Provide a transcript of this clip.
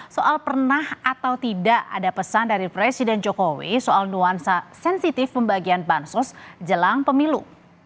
soal pernah atau tidak ada pesan dari presiden jokowi soal nuansa sensitif pembagian bansos jelang pemilu